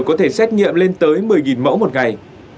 có thể xét nghiệm lên tới một mươi mẫu một ngày